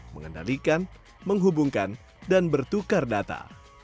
mengendalikan menghubungkan dan bertukar data